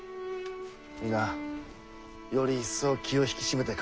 皆より一層気を引き締めてかかられよ。